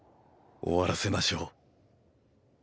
終わらせましょう。